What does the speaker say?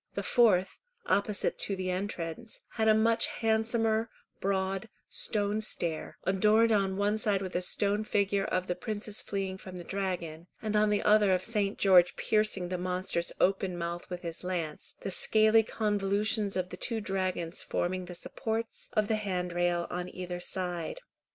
The fourth, opposite to the entrance, had a much handsomer, broad, stone stair, adorned on one side with a stone figure of the princess fleeing from the dragon, and on the other of St. George piercing the monster's open mouth with his lance, the scaly convolutions of the two dragons forming the supports of the handrail on either side.